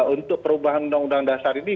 untuk perubahan undang undang dasar ini